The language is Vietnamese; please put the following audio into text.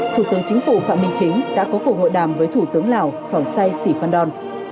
thủ tướng chính phủ phạm minh chính đã có cuộc hội đàm với thủ tướng lào sòn sai sì phan đòn